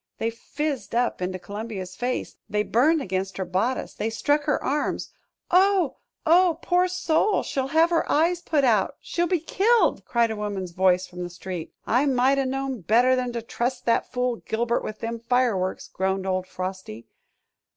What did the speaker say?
They fizzed up into Columbia's face, they burned against her bodice, they struck her arms. "Oh! oh! Poor soul! she'll have her eyes put out! She'll be killed!" cried a woman's voice from the street. "I might 'a' known better than to trust that fool Gilbert with them fireworks," groaned old Frosty.